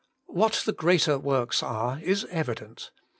What the greater works are, is evident.